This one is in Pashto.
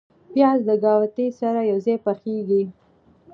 پیاز د ګاوتې سره یو ځای پخیږي